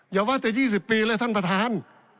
อย่าว่าแต่๒๐ปีเลยท่านประธาน